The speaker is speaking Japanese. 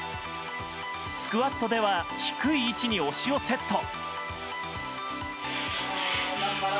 スクワットでは低い位置に推しをセット。